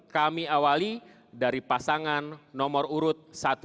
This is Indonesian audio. kami awali dari pasangan nomor urut satu